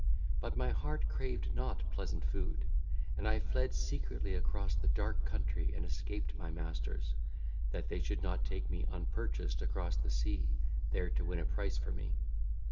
But my heart craved not pleasant food, and I fled secretly across the dark country and escaped my masters, that they should not take me unpurchased across the sea, there to win a price for me.